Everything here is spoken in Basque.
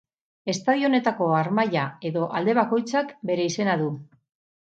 Estadio honetako harmaila edo alde bakoitzak bere izena du.